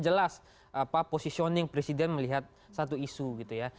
jelas apa positioning presiden melihat satu isu gitu ya